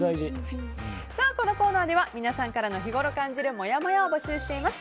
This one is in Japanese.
このコーナーでは皆さんから日ごろ感じるもやもやを募集しています。